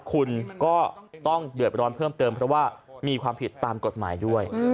คุณก็ต้องเดือดร้อนเพิ่มเติมเพราะว่ามีความผิดตามกฎหมายด้วย